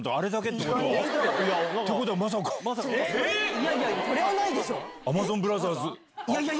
いやいやそれはないでしょ！